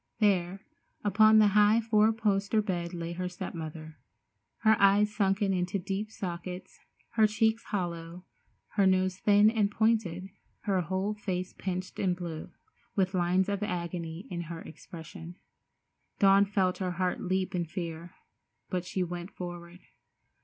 There upon the high four poster bed lay her step mother, her eyes sunken into deep sockets, her cheeks hollow, her nose thin and pointed, her whole face pinched and blue, with lines of agony in her expression. Dawn felt her heart leap in fear, but she went forward.